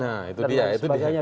nah itu dia